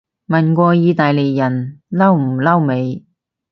問過意大利人嬲唔嬲未